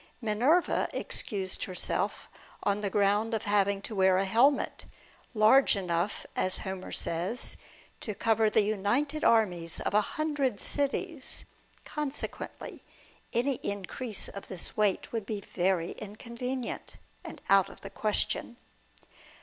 Minerva excused herself on the ground of having to wear a helmet large enough, as Homer says, to cover the united armies of a hundred cities ; consequently any increase of this weight would be very inconvenient, and out of the question.